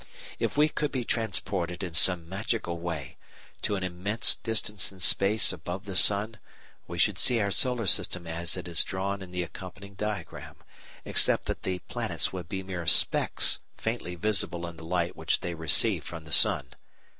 If we could be transported in some magical way to an immense distance in space above the sun, we should see our Solar System as it is drawn in the accompanying diagram (Fig. 1), except that the planets would be mere specks, faintly visible in the light which they receive from the sun.